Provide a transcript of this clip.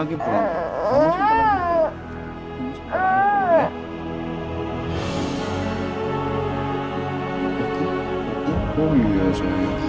aduh aduh aduh